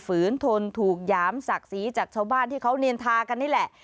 ฝืนทนถูกหยามศักดิ์ศรีจากชาวบ้านที่เขาเนียนทากันนี่แหละ